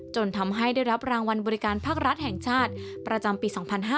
จนทำให้ได้รับรางวัลบริการภาครัฐแห่งชาติประจำปี๒๕๕๙